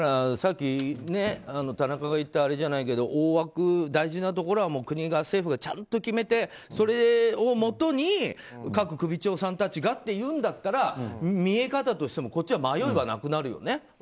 さっき田中が言ったあれじゃないですけど大枠、大事なところは政府がちゃんと決めてそれをもとに各首長さんたちがっていうんだったら見え方としても、こっちは迷いがなくなるよね。